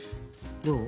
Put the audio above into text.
どう？